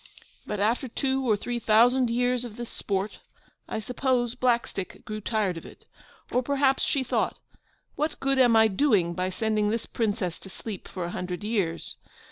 But after two or three thousand years of this sport, I suppose Blackstick grew tired of it. Or perhaps she thought, 'What good am I doing by sending this Princess to sleep for a hundred years?